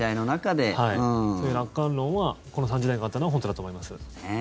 そういう楽観論はこの３０年間あったのは本当だと思います。